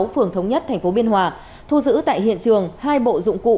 phường thống nhất tp biên hòa thu giữ tại hiện trường hai bộ dụng cụ